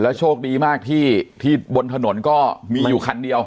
โชคดีมากที่บนถนนก็มีอยู่คันเดียว